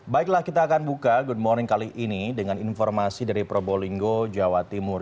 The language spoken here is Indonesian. baiklah kita akan buka good morning kali ini dengan informasi dari probolinggo jawa timur